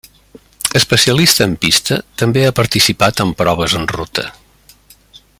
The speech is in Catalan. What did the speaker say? Especialista en pista també ha participat en proves en ruta.